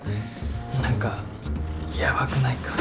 何かヤバくないか？